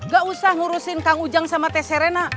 gak usah ngurusin kang ujang sama teh serena